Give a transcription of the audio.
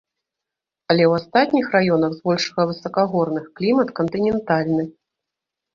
Але ў астатніх раёнах, збольшага высакагорных, клімат кантынентальны.